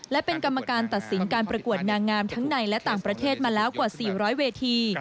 และเป็นกรรมการตัดสินการประกวดนางงามทั้งในและต่างประเทศมาแล้วกว่า๔๐๐เวที